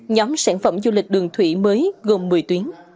nhóm sản phẩm du lịch đường thủy mới gồm một mươi tuyến